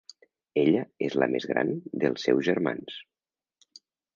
Ella és la més gran dels seus germans.